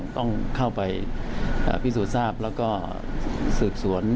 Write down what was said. ต้องเข้าไปพิสูจน์ทราบแล้วก็สืบสวน